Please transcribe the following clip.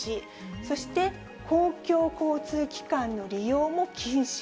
そして公共交通機関の利用も禁止。